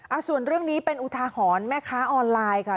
ส่วนเรื่องนี้เป็นอุทาหรณ์แม่ค้าออนไลน์ค่ะ